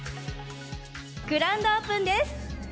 グランドオープンです！